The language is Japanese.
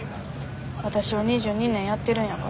わたしを２２年やってるんやから。